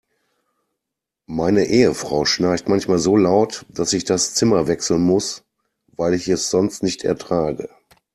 Meine Ehefrau schnarcht manchmal so laut, dass ich das Zimmer wechseln muss, weil ich es sonst nicht ertrage.